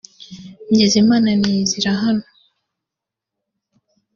ngize Imana niyizira hano